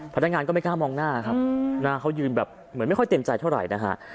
พนักงานก็ไม่กล้ามองหน้าครับหน้าเขายืนแบบเหมือนไม่ค่อยเต็มใจเท่าไหร่นะฮะ